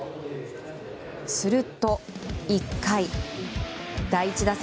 すると１回、第１打席。